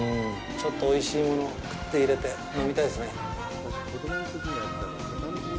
ちょっと、おいしいものをクッと入れて飲みたいですね。